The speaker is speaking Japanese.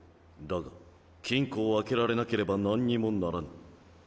だが金庫を開けられなければ何にもならぬ。